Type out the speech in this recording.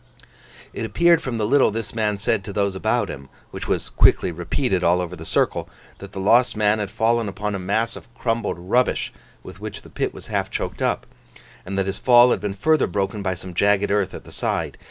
It appeared from the little this man said to those about him, which was quickly repeated all over the circle, that the lost man had fallen upon a mass of crumbled rubbish with which the pit was half choked up, and that his fall had been further broken by some jagged earth at the side.